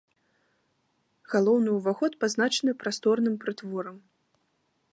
Галоўны уваход пазначаны прасторным прытворам.